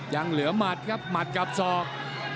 ยังเหลือหมัดครับหมัดกับศอก